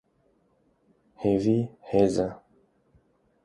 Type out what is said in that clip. Hêvî, hêz e.